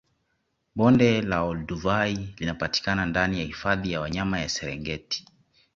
Bonde la Olduvai linapatikana ndani ya hifadhi ya wanyama ya Serengeti